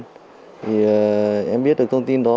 thì em biết được thông tin đó